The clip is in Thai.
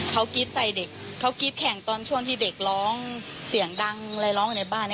เขากรี๊ดใส่เด็กเขากรี๊ดแข่งตอนช่วงที่เด็กร้องเสียงดังอะไรร้องอยู่ในบ้าน